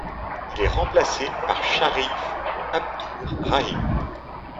Il est remplacé par Shareef Abdur-Rahim.